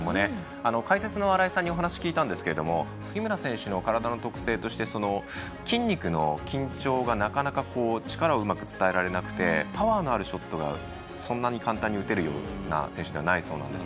解説の新井さんにお話を聞いたんですけれども杉村選手の体の特性として筋肉の緊張がなかなか力をうまく伝えられなくてパワーのあるショットがそんなに簡単に打てるような選手ではないそうです。